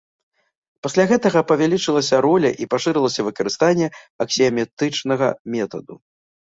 Пасля гэтага павялічылася роля і пашырылася выкарыстанне аксіяматычнага метаду.